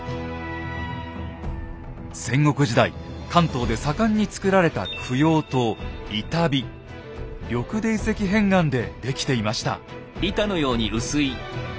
戦国時代関東で盛んにつくられた供養塔緑泥石片岩で出来ていました。